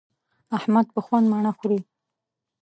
احمد په خوند مڼه خوري.